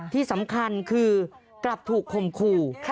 ที่สำคัญคือกลับถูกคมขู่